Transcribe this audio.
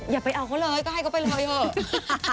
อย่าไปเอาเขาเลยก็ให้เขาไปเลยเถอะ